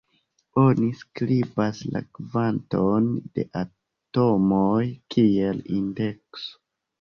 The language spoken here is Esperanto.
Oni skribas la kvanton de atomoj kiel indekso.